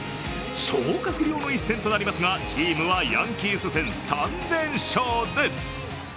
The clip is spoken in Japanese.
消化不良の一戦となりますがチームはヤンキース戦３連勝です。